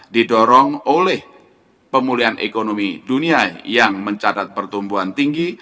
didorong oleh pemulihan ekonomi dunia yang mencatat pertumbuhan tinggi